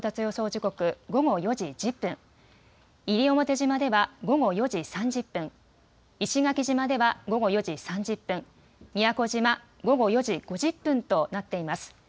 時刻、午後４時１０分、西表島では午後４時３０分、石垣島では午後４時３０分、宮古島、午後４時５０分となっています。